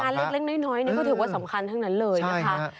คนทำงานเล็กน้อยก็ถือว่าสำคัญทั้งนั้นเลยนะคะ